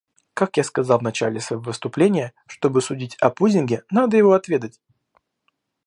Как я сказал в начале своего выступления, чтобы судить о пудинге, надо его отведать.